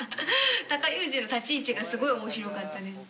タカ・ユージの立ち位置がすごい面白かったです。